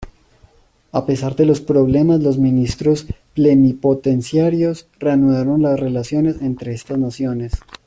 A pesar de los problemas los ministros plenipotenciarios reanudaron las relaciones entre estas naciones.